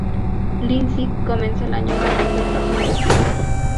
Lindsay comenzó el año ganando el Torneo de Sídney.